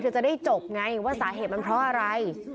จะได้จบไงว่าสาเหตุมันเพราะอะไร